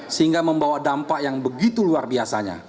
sehingga membawa dampak yang begitu luar biasanya